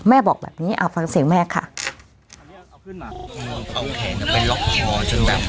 แม่บอกแบบนี้เอาฟังเสียงแม่ค่ะเอาขึ้นมาเอาแขนไปล็อกคอจนแบบ